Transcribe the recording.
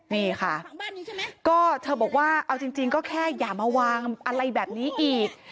นี่ค่ะก็เธอบอกว่าเอาจริงก็แค่อย่ามาวางอะไรแบบนี้อีก